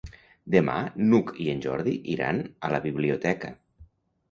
Demà n'Hug i en Jordi iran a la biblioteca.